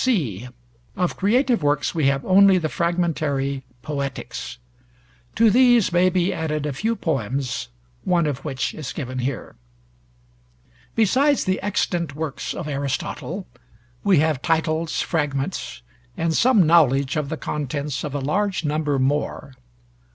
(c) Of Creative works we have only the fragmentary 'Poetics.' To these may be added a few poems, one of which is given here. Besides the extant works of Aristotle, we have titles, fragments, and some knowledge of the contents of a large number more.